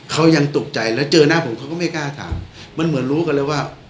เขายังตกใจแล้วเจอหน้าผมเขาก็ไม่กล้าถามมันเหมือนรู้กันเลยว่า